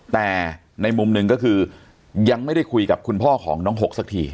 แต่ในมุมหนึ่งก็คือยังไม่ได้คุยกับคุณพ่อของน้องหกสักที